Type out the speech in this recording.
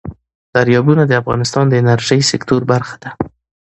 دریابونه د افغانستان د انرژۍ سکتور برخه ده.